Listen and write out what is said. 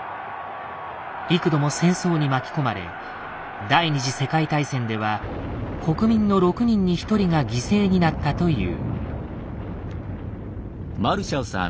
幾度も戦争に巻き込まれ第２次世界大戦では国民の６人に１人が犠牲になったという。